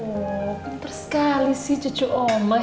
oh pinter sekali sih cucu oma